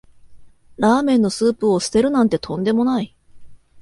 ラーメンのスープを捨てるなんてとんでもない